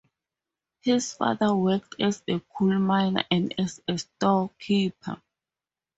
His father worked as a coal miner and as a storekeeper.